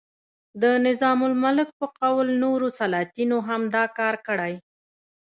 د نظام الملک په قول نورو سلاطینو هم دا کار کړی.